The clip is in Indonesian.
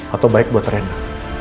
atau baik buat renda